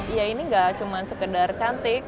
iya ini gak cuma sekedar cantik